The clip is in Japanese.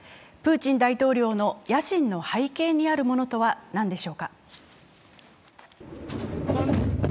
プーチン大統領の野心の背景にあるものとは何でしょうか？